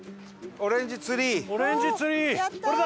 オレンジツリー！